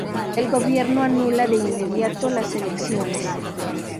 El gobierno anula de inmediato las elecciones.